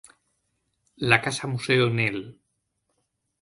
La Casa Museo Cnel.